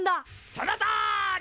そのとおり！